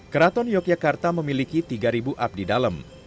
keraton yogyakarta memiliki tiga abdi dalam